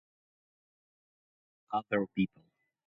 Other people.